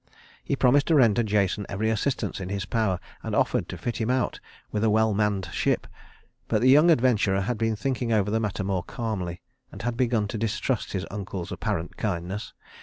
He promised to render Jason every assistance in his power, and offered to fit him out with a well manned ship; but the young adventurer had been thinking over the matter more calmly, and had begun to distrust his uncle's apparent kindness.